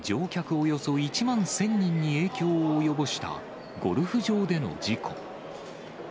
およそ１万１０００人に影響を及ぼしたゴルフ場での事故。